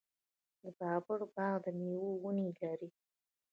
د بابر باغ د میوو ونې لري.